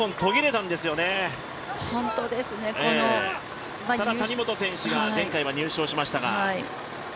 ただ、谷本選手が前回は入賞しましたが。